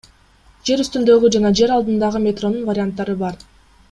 Жер үстүндөгү жана жер алдындагы метронун варианттары бар.